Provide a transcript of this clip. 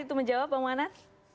itu menjawab bang manan